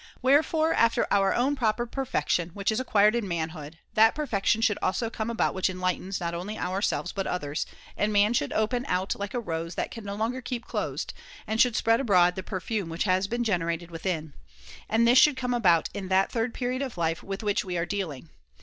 Wherefore, after our own proper per fection, which is acquired in manhood, that perfection should also come which enlightens not only ourselves but others, and man should open out like a rose that can no longer keep closed, and should spread abroad the perfume which has been generated within ; and this should come about in that third period of life with which we are dealing.